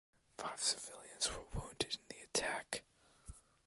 Five civilians were wounded in the attack.